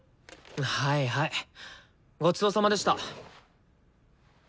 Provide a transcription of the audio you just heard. はいはいごちそうさまでした。